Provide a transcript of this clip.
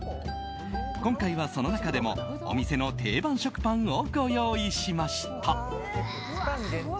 今回はその中でもお店の定番食パンをご用意しました。